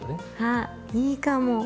あいいかも。